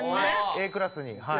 Ａクラスにはい。